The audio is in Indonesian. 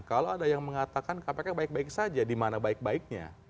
kalau ada yang mengatakan kpk baik baik saja di mana baik baiknya